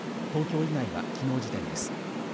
東京以外はきのう時点です。